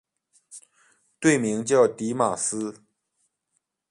队名叫狄玛斯。